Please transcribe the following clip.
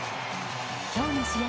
今日の試合